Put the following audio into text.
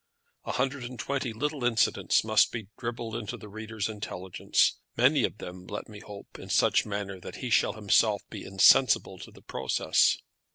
A hundred and twenty little incidents must be dribbled into the reader's intelligence, many of them, let me hope, in such manner that he shall himself be insensible to the process.